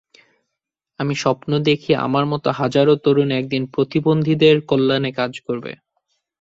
আমি স্বপ্ন দেখি, আমার মতো হাজারো তরুণ একদিন প্রতিবন্ধীদের কল্যাণে কাজ করবে।